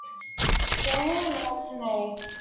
General Nelson A.